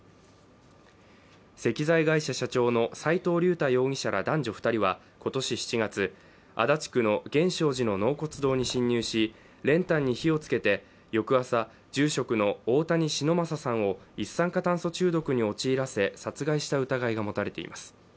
石材会社社長の斉藤竜太容疑者ら男女２人は今年７月、足立区の源証寺の納骨堂に侵入し練炭に火をつけて、翌朝、住職の大谷忍昌さんを一酸化炭素中毒に陥らせ、殺害した疑いが持たれています。